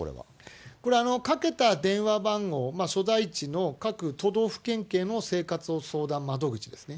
これ、かけた電話番号、所在地の各都道府県警の生活相談窓口ですね。